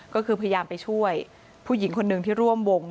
ก็คือพยายามไปช่วยผู้หญิงคนหนึ่งที่ร่วมวง